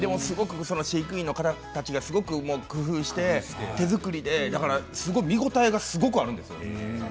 飼育員の方たちがすごく工夫して手作りでだからすごく見応えがあるんですよ。